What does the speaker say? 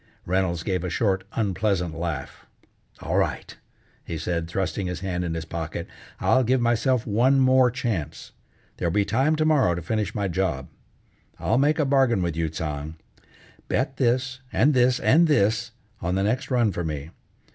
Reynolds gave a short, unpleasant laugh. "All right," he said, thrusting his hand in his pocket. "I'll give myself one more chance. There'll be time to morrow to finish my job. I'll make a bargain with you, Tsang! Bet this, and this, and this, on the next run for me.